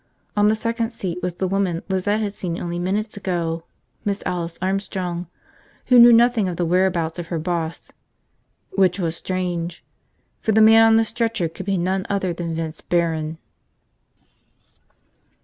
On the second seat was the woman Lizette had seen only minutes ago, Miss Alice Armstrong, who knew nothing of the whereabouts of her boss, which was strange, for the man on the stretcher could be none other than Vince Barron.